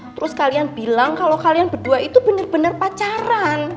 terus kalian bilang kalau kalian berdua itu benar benar pacaran